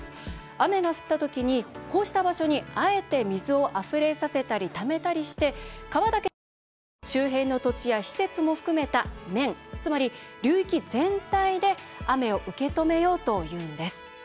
雨が降ったときにこうした場所にあえて水をあふれさせたりためたりして、川だけでなく周辺の土地や施設も含めた面つまり流域全体で雨を受け止めようというのです。